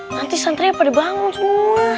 nanti santri apa dibangun semua